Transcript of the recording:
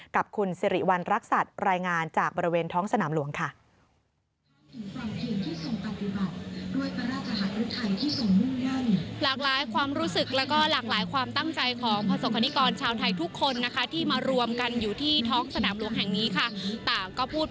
กับคุณสิริวัณรักษัตริย์รายงานจากบริเวณท้องสนามหลวงค่ะ